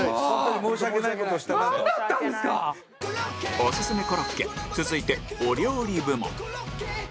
オススメコロッケ続いてお料理部門